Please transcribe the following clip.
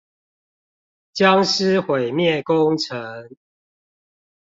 殭屍毀滅工程